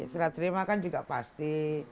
serat terima kan juga pasti